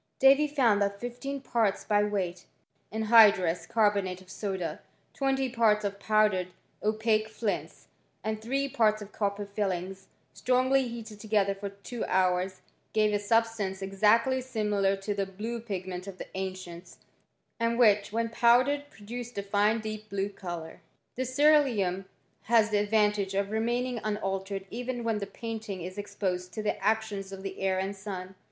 Davy found that fifteen parts by weight I of anhydrous carbonate of soda, twenty parts of pow dered Opaque flints, and three parts of copper filings, I nrongly heated together for two hours, gave a sub stance exactly similar to the blue pigment of the t ancients, and which, when powdered, produced a fine deep blue colour. This ceeruleum has the advantage of remaining unaltered even when the painting is exposed to the actions of the air and sun.